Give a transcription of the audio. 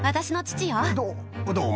どどうも。